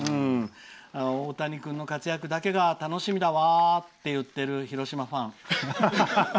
大谷君の活躍だけが楽しみだわって言ってる広島ファン。